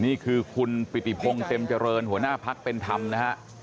นี่คือคุณปิติพงศ์เต็มเจริญหัวหน้าพักเป็นธรรมนะฮะ